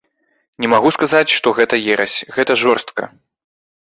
Не магу сказаць, што гэта ерась, гэта жорстка.